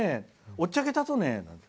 おっちゃけたとね？